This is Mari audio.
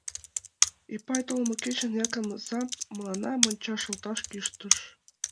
— Ипай толмо кечын Якып изам мыланна мончаш олташ кӱштыш.